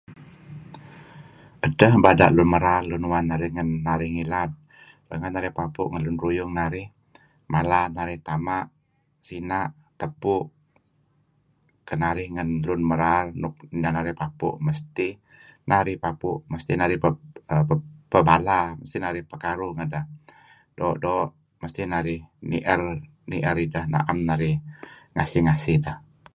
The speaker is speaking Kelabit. Edteh bada' lun merar ngan narih ngilad renga' narih papu' ngan lun ruyung narih tama' sina' tepu' kan narih ngan lun merar nuk inan narih papu' mesti narih pebala pekaruh ngedah' ni'er ideh am narih ngasih-ngasih deh .